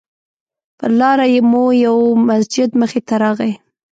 پر لاره مو یو مسجد مخې ته راغی.